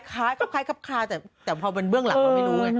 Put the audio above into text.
คล้ายแต่พอเป็นเบื้องหลักคุณไม่รู้ไง